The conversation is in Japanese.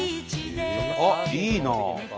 あっいいな。